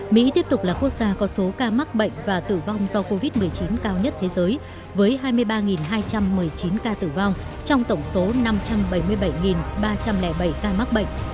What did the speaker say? mỹ tiếp tục là quốc gia có số ca mắc bệnh và tử vong do covid một mươi chín cao nhất thế giới với hai mươi ba hai trăm một mươi chín ca tử vong trong tổng số năm trăm bảy mươi bảy ba trăm linh bảy ca mắc bệnh